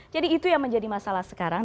jadi itu yang menjadi masalah sekarang